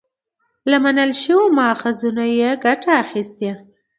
له منل شويو ماخذونو يې ګټه اخستې